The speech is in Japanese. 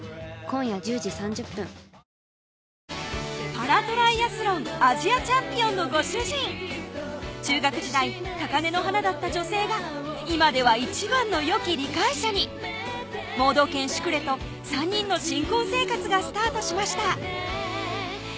パラトライアスロンアジアチャンピオンのご主人中学時代高根の花だった女性が今では一番のよき理解者に盲導犬・シュクレと３人の新婚生活がスタートしました